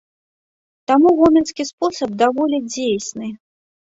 Таму гомельскі спосаб даволі дзейсны.